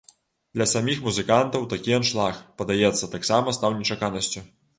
Для саміх музыкантаў такі аншлаг, падаецца, таксама стаў нечаканасцю.